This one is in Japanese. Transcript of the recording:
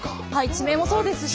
地名もそうですし。